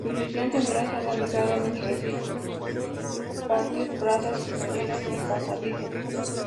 Su sección central está organizada en recintos, patios, plazas, escaleras y pasadizos.